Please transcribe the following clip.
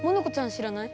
知らない？